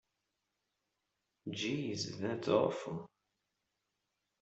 Jeez, that's awful!